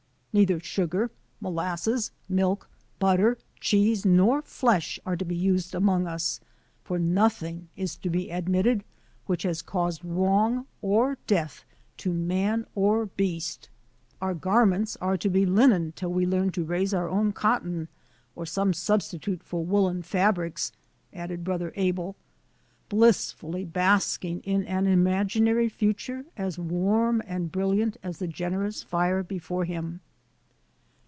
"Neither sugar, molasses, milk, butter, cheese, nor flesh are to be used among us, for nothing is to be admitted which has caused wrong or death to man or beast." "Our garments are to be linen till we learn to < raise our own cotton or some substitute for wool , len fabrics," added Brother Abel, blissfully bask ing in an imaginary future as warm and brilliant as the generous fire before him.